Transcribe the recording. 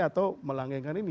atau melangengkan ini